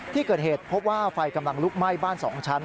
ที่เกิดเหตุพบว่าไฟกำลังลุกไหม้บ้าน๒ชั้น